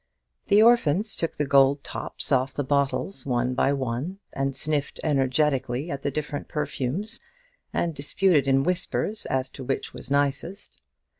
The orphans took the gold tops off the bottles one by one, and sniffed energetically at the different perfumes, and disputed in whispers as to which was nicest.